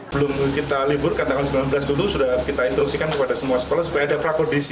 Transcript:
belum kita libur katakan sembilan belas dulu sudah kita instruksikan kepada semua sekolah supaya ada prakondisi